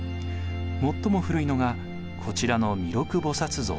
最も古いのがこちらの弥勒菩薩像。